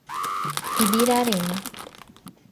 Ibirarema